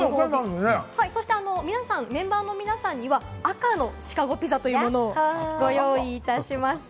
メンバーの皆さんには赤のシカゴピザというものをご用意いたしました。